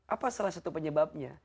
apa salah satu penyebabnya